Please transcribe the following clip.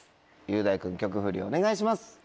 雄大君曲フリお願いします。